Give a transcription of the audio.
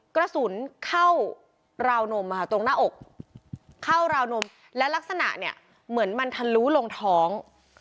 กระสุนเข้าราวนมตรงหน้าอกเข้าราวนมและลักษณะเนี่ยเหมือนมันทะลุลงท้อง